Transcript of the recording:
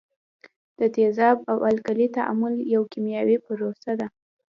د تیزاب او القلي تعامل یو کیمیاوي پروسه ده.